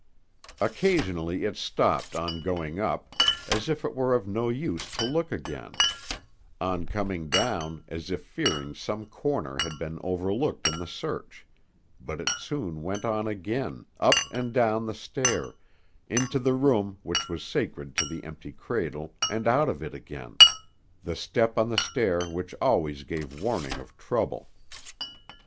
Occasionally it stopped on going up, as if it were of no use to look again; on coming down, as if fearing some corner had been overlooked in the search, but it soon went on again, up and down the stair, into the room which was sacred to the empty cradle, and out of it again, the step on the stair which always gave warning of trouble.